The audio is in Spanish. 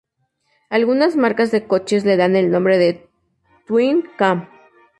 Algunas marcas de coches le dan el nombre de "Twin Cam".